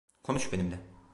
Konuş benimle.